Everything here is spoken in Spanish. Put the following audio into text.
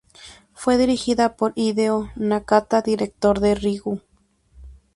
Fue dirigida por Hideo Nakata, director de "Ringu".